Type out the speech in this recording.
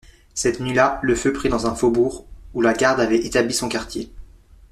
Cette nuit-là le feu prit dans un faubourg où la garde avait établi son quartier.